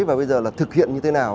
và bây giờ là thực hiện như thế nào